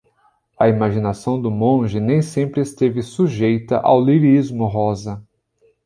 A imaginação do monge nem sempre esteve sujeita ao lirismo rosa.